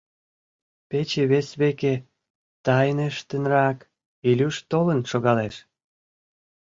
Пече вес веке, тайныштынрак, Илюш толын шогалеш.